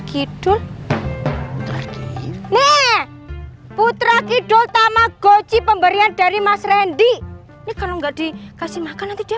kidul putra kidul tamagochi pemberian dari mas randy ini kalau nggak dikasih makan nanti dia